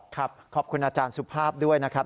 ขอบคุณอาจารย์สุภาพด้วยนะครับ